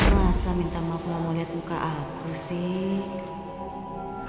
masa minta maaf kalau mau liat muka aku sih